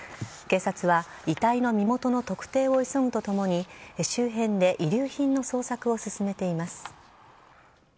警察は遺体の身元の特定を急ぐとともに周辺で遺留品の捜索を進めています。